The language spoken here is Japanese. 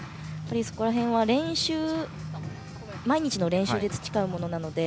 そこら辺は毎日の練習で培うものなので。